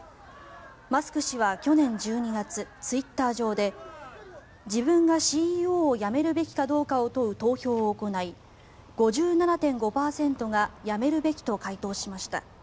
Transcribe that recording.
マスク氏は、去年１２月ツイッター上で自分がＣＥＯを辞めるべきがどうかを問う投票を行い、５７．５％が辞めるべきと回答しました。